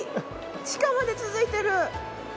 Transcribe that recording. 地下まで続いてる。